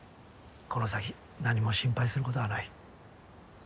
この先何も心配することはない。